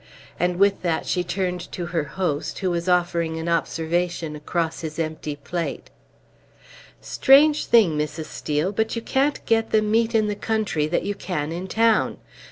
And with that she turned to her host, who was offering an observation across his empty plate. "Strange thing, Mrs. Steel, but you can't get the meat in the country that you can in town.